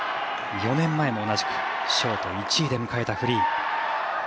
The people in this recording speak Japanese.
４年前も同じくショート１位で迎えたフリー。